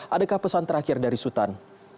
adakah pesan terakhir dari sultan